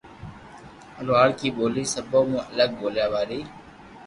لوھارڪي ٻولي سبو مون الگ ٻوليا واري